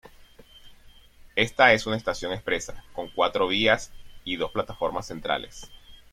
Esta es una estación expresa, con cuatro vías y dos plataformas centrales.